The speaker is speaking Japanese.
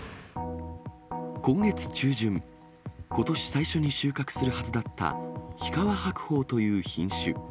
今月中旬、ことし最初に収穫するはずだった日川白鳳という品種。